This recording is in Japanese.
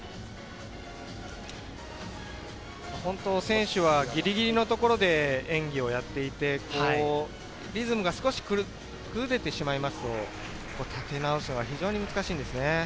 選手はぎりぎりのところで演技をやっていて、リズムが少し崩れてしまいますと、立て直すのは非常に難しいんですよね。